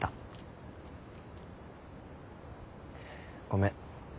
ごめん。